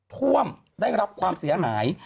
ท่วมได้รับความเสียหาย